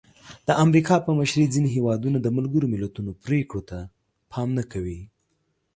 د امریکا په مشرۍ ځینې هېوادونه د ملګرو ملتونو پرېکړو ته پام نه کوي.